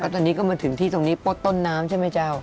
ตอนนี้ก็มาถึงที่ตรงนี้ปลดต้นน้ำใช่ไหมเจ้า